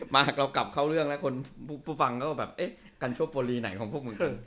มาเรากลับเข้าเรื่องแล้วฟู่ฟังเราก็แบบกัญชโปรลีไหนของพวกมึง